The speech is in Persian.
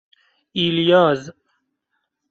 ایلیاز